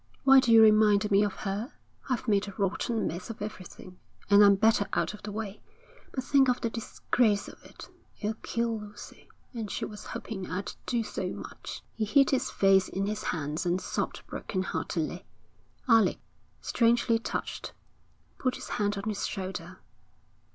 'Why do you remind me of her? I've made a rotten mess of everything, and I'm better out of the way. But think of the disgrace of it. It'll kill Lucy. And she was hoping I'd do so much.' He hid his face in his hands and sobbed broken heartedly. Alec, strangely touched, put his hand on his shoulder.